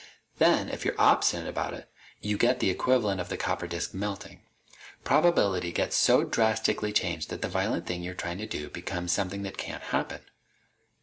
Then, if you're obstinate about it, you get the equivalent of the copper disk melting. Probability gets so drastically changed that the violent thing you're trying to do becomes something that can't happen.